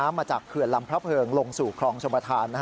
สอยน้ำมาจากเขื่อนลำพระเผิงลงสู่คลองชมภาษณ์